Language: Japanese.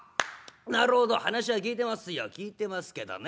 なるほど話は聞いてますよ聞いてますけどね